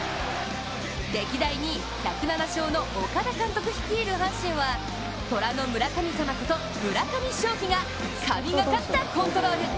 歴代２位、１０７勝の岡田監督率いる阪神はトラの村神様こと村上頌樹が神懸かったコントロール。